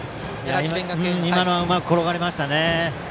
今のはうまく転がりました。